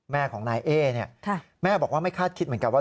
แม่ของนายเอ๊เนี่ยแม่บอกว่าไม่คาดคิดเหมือนกันว่า